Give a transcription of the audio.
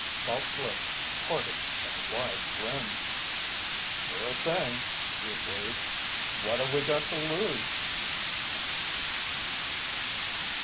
Salt's lips parted in a wide grin. "Sure thing," he agreed. "What have we got to lose?"